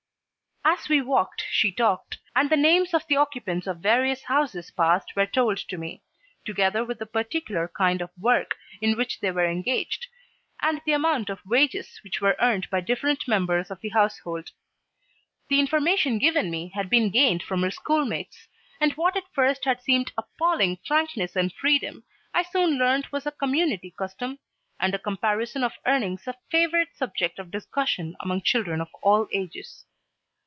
As we walked she talked, and the names of the occupants of various houses passed were told to me, together with the particular kind of work in which they were engaged, and the amount of wages which were earned by different members of the household. The information given me had been gained from her schoolmates, and what at first had seemed appalling frankness and freedom, I soon learned was a community custom, and a comparison of earnings a favorite subject of discussion among children of all ages.